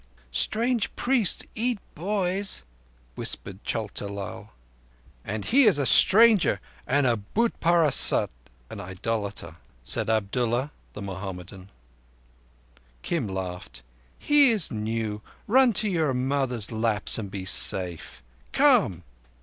"Strange priests eat boys," whispered Chota Lal. "And he is a stranger and a būt parast (idolater)," said Abdullah, the Mohammedan. Kim laughed. "He is new. Run to your mothers' laps, and be safe. Come!"